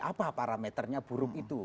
apa parameternya buruk itu